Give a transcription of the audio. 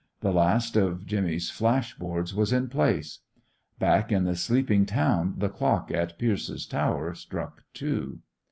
The last of Jimmy's flash boards was in place. Back in the sleeping town the clock in Pierce's Tower struck two.